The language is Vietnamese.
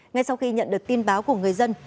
ngay sau khi nhận được tin báo của người dân